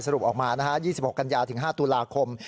รุปออกมา๒๖กันยาถึง๕ตุลาคม